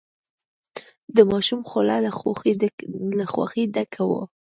د ماشوم خوله له خوښۍ ډکه وه.